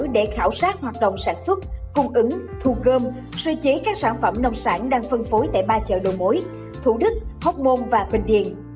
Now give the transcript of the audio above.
để khảo sát hoạt động sản xuất cung ứng thu gom sơ chế các sản phẩm nông sản đang phân phối tại ba chợ đồ mối thủ đức hóc môn và bình điền